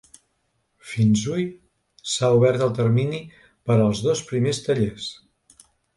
Fins hui, s’ha obert el termini per als dos primers tallers.